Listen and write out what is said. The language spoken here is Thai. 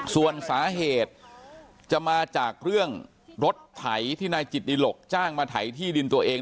ส่วนสาเหตุจะมาจากเรื่องรถไถที่นายจิตดิหลกจ้างมาไถที่ดินตัวเอง